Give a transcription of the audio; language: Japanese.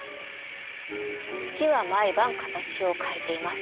月は毎晩形を変えています。